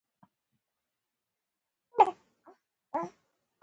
له نوې ټکنالوژۍ د ګټې اخیستنې پر سر کانګویانو کې اختلاف و.